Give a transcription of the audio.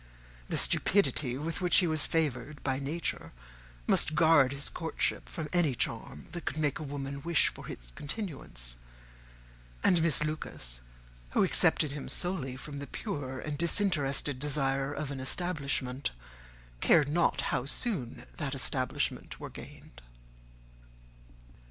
The stupidity with which he was favoured by nature must guard his courtship from any charm that could make a woman wish for its continuance; and Miss Lucas, who accepted him solely from the pure and disinterested desire of an establishment, cared not how soon that establishment were gained.